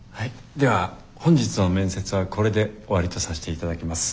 では本日の面接はこれで終わりとさせて頂きます。